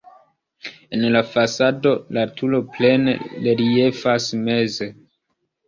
En la fasado la turo plene reliefas meze.